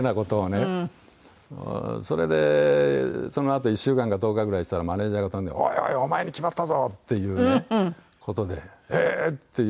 それでそのあと１週間か１０日ぐらいしたらマネジャーが飛んで「おいおいお前に決まったぞ！」っていう事でええー！っていうような事でね。